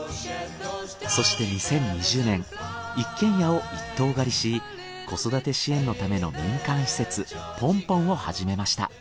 そして２０２０年一軒家を一棟借りし子育て支援のための民間施設ぽんぽんを始めました。